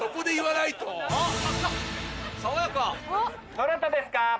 どなたですか？